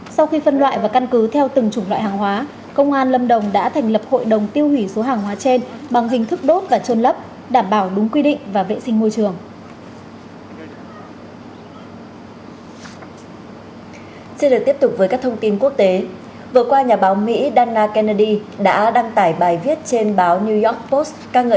sau khi phân loại và căn cứ theo từng chủng loại hàng hóa công an lâm đồng đã thành lập hội đồng tiêu hủy số hàng hóa trên bằng hình thức đốt và trôn lấp đảm bảo đúng quy định và vệ sinh môi trường